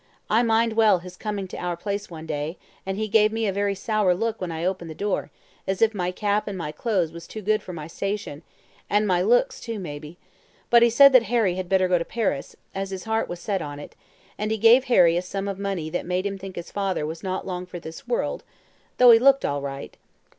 I mind well his coming to our place one day, and he gave me a very sour look when I opened the door, as if my cap and my clothes was too good for my station, and my looks, too, maybe; but he said that Harry had better go to Paris, as his heart was set on it; and he gave Harry a sum of money that made him think his father was not long for this world, though he looked all right.